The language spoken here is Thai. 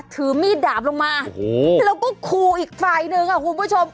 ถือมีดดาบลงมาแล้วก็คูอีกฝ่ายหนึ่งค่ะคุณผู้ชม